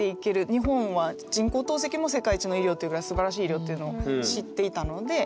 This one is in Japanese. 日本は人工透析も世界一の医療というぐらいすばらしい医療というのを知っていたので。